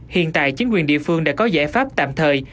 hiện tại chính quyền địa phương đã có giải pháp tạm thời